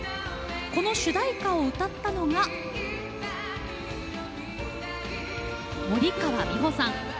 この主題歌を歌ったのが森川美穂さん。